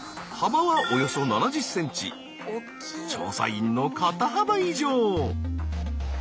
調査員の肩幅以上。